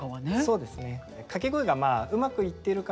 そうですね。